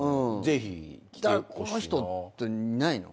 「この人」っていないの？